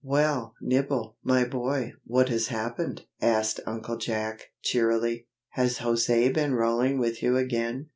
"Well, Nibble, my boy, what has happened?" asked Uncle Jack, cheerily. "Has José been rolling with you again?"